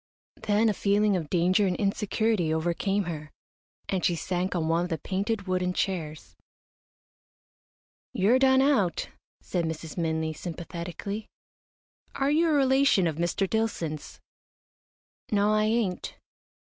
Then a feeling of danger and insecurity overcame her, and she sank on one of the painted, wooden chairs. "You're done out," said Mrs. Minley, sympathetically. "Are you a relation of Mr. Dillson's?" "No, I ain't."